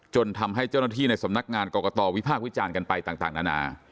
ทำให้เจ้าหน้าที่ในสำนักงานกรกตวิพากษ์วิจารณ์กันไปต่างนานา